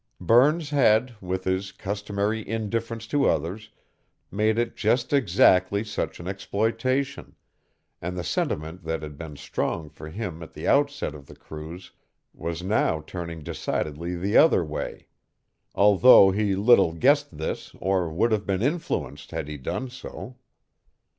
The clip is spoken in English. Burns had, with his customary indifference to others, made it just exactly such an exploitation, and the sentiment that had been strong for him at the outset of the cruise was now turning decidedly the other way; although he little guessed this or would have been influenced had he done so.